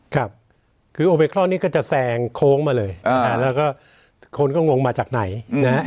ครับคือโอเบครอนนี้ก็จะแซงโค้งมาเลยแล้วก็คนก็งงมาจากไหนนะฮะ